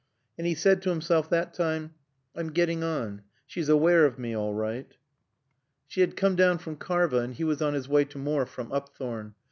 And he said to himself that time, "I'm getting on. She's aware of me all right." She had come down from Karva, and he was on his way to Morfe from Upthorne.